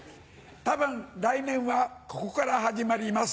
多分来年はここから始まります。